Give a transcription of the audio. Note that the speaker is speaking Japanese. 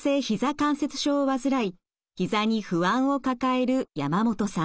関節症を患いひざに不安を抱える山本さん。